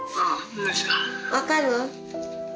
分かる？